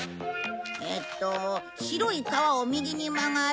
えっと「白い川を右にまがり」。